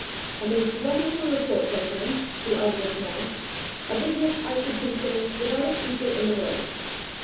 "A most wonderful report, gentlemen," the auditor pronounced, "a business, I should consider, without its equal in the world."